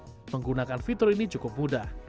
dan menggunakan fitur ini cukup mudah